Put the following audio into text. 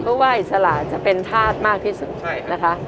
เพราะว่าอิสระจะเป็นธาตุมากที่สุดนะคะ